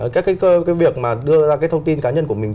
các cái việc mà đưa ra cái thông tin cá nhân của mình